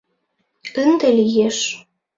Ынде лиеш.